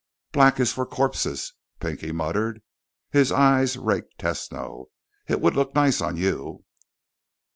"Black is for corpses," Pinky muttered. His eyes raked Tesno. "It will look nice on you."